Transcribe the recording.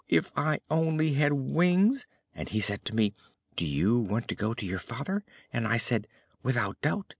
if I also had wings,' and he said to me, 'Do you want to go to your father?' and I said, 'Without doubt!